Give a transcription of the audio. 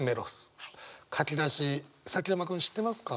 書き出し崎山君知ってますか？